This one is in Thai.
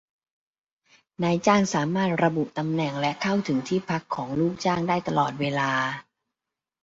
นายจ้างสามารถระบุตำแหน่งและเข้าถึงที่พักของลูกจ้างได้ตลอดเวลา